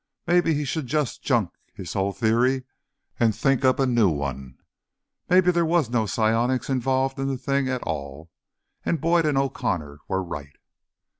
Maybe he should just junk his whole theory and think up a new one. Maybe there was no psionics involved in the thing at all, and Boyd and O'Connor were right.